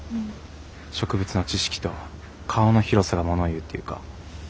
植物の知識と顔の広さがものをいうっていうか。